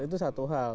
itu satu hal